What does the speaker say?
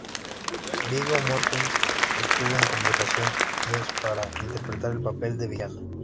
Viggo Mortensen estuvo en conversaciones para interpretar el papel de villano.